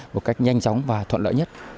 một cách nhanh chóng và thuận lợi nhất